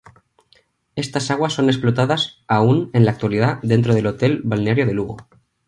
Estas aguas son explotadas aún en la actualidad dentro del Hotel Balneario de Lugo.